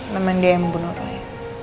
memang dia yang membunuh orangnya